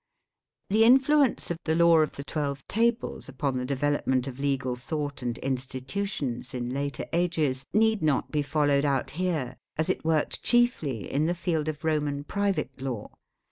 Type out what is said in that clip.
The influence of the Law of the Twelve Tables upon the development of legal thought and institutions in later ages need not be followed out here, as it worked chiefly in the field of Roman private law.